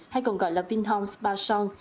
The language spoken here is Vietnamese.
hay còn gọi là vinhomes ba son